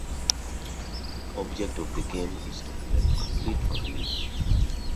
The object of the game is to collect complete families.